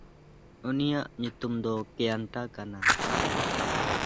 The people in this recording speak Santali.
ᱩᱱᱤᱭᱟᱜ ᱧᱩᱛᱩᱢ ᱫᱚ ᱠᱮᱭᱟᱱᱴᱟ ᱠᱟᱱᱟ᱾